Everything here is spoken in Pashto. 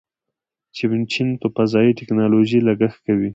چین په فضایي ټیکنالوژۍ لګښت کوي.